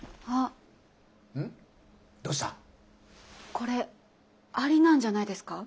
これありなんじゃないですか？